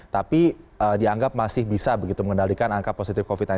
tapi dianggap masih bisa begitu mengendalikan angka positif covid sembilan belas